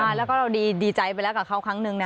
แล้วก็เราดีใจไปแล้วกับเขาครั้งนึงนะ